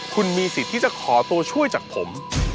คุณมีสิทธิ์ที่จะขอตัวช่วยจากผม